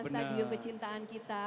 stadium kecintaan kita